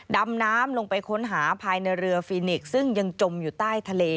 ดำน้ำลงไปค้นหาภายในเรือฟินิกซึ่งยังจมอยู่ใต้ทะเล